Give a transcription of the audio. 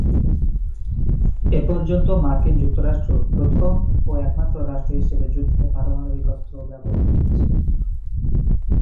এ পর্যন্ত মার্কিন যুক্তরাষ্ট্র প্রথম ও একমাত্র রাষ্ট্র হিসেবে যুদ্ধে পারমাণবিক অস্ত্র ব্যবহার করেছে।